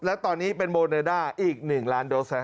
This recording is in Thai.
และตอนนี้เป็นโมเดอร์อีก๑ล้านโดส